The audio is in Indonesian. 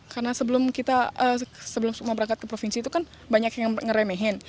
karena sebelum suksma berangkat ke provinsi itu kan banyak yang ngeremehin